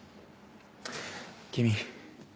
君。